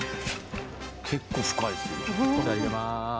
結構深いっすね！